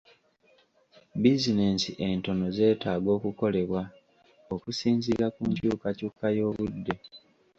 Bizinensi entono zeetaaga okukolebwa okusinziira ku nkyukakyuka y'obudde.